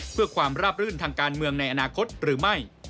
เพื่อความราบรื่นทางการเมืองในอนาคตหรือไม่